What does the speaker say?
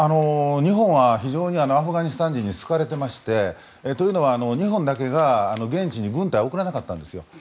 日本は非常にアフガニスタン人に好かれていましてというのは、日本だけが現地に軍隊を送らなかったんです。